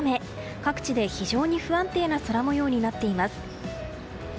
各地で非常に不安定な空模様になっています。